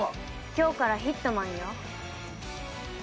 今日からヒットマンよ。